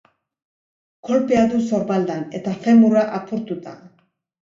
Kolpea du sorbaldan eta femurra apurtuta.